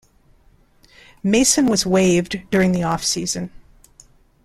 Mason was waived during the offseason.